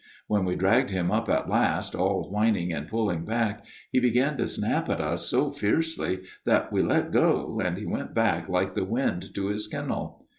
When we dragged him up at last, all whining and pulling back, he began to snap at us so fiercely that we let go, and he went back like the wind to his kennel.